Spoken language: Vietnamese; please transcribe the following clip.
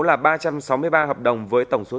là ba trăm sáu mươi ba hợp đồng với tổng số